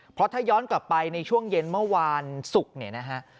เพราะถ้าย้อนกลับไปในช่วงเย็นเมื่อวานศุกร์